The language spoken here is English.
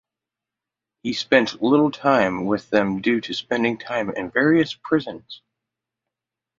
He spent little time with them due to spending time in various prisons.